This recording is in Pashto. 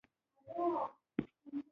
انسان د دغه اعتراف تومنه نه لري.